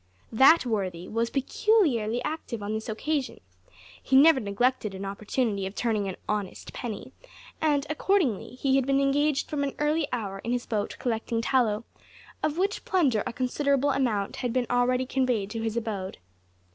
That worthy was peculiarly active on this occasion. He never neglected an opportunity of turning an honest penny, and, accordingly, had been engaged from an early hour in his boat collecting tallow; of which plunder a considerable amount had been already conveyed to his abode.